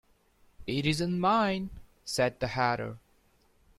‘It isn’t mine,’ said the Hatter.